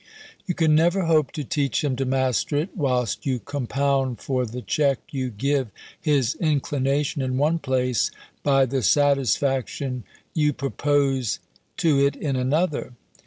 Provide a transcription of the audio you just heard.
You can never hope to teach him to master it, whilst you compound for the check you give his inclination in one place, by the satisfaction you propose to it in another.